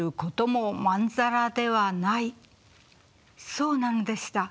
そうなんでした。